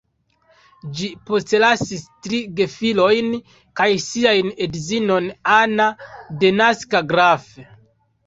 Li postlasis tri gefilojn kaj sian edzinon Anna denaska Graf.